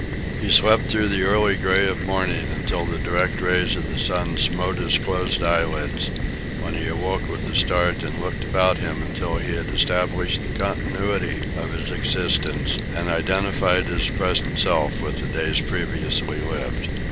He slept through the early gray of morning until the direct rays of the sun smote his closed eyelids, when he awoke with a start and looked about him until he had established the continuity of his existence and identified his present self with the days previously lived.